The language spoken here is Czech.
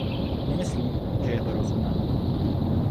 Nemyslím, že je to rozumné.